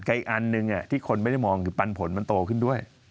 แต่อีกอันหนึ่งที่คนไม่ได้มองคือปันผลมันโตขึ้นด้วย